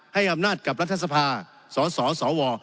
ให้อำนาจกับรัฐสภาสสว